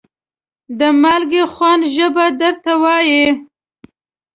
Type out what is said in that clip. د مالګې خوند ژبه درته وایي.